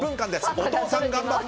お父さん頑張って！